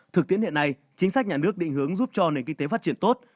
thực tiễn hiện nay chính sách nhà nước định hướng giúp cho nền kinh tế phát triển tốt